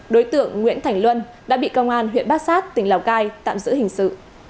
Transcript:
đối tượng nguyễn thành luân đã bị công an huyện bát sát tỉnh lào cai tạm giữ hình sự